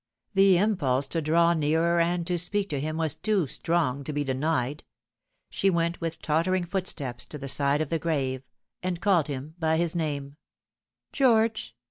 The impulse to draw nearer and to speak to him was too strong to be denied : she went with tottering footsteps to the side of the grave, and called him by his name :" George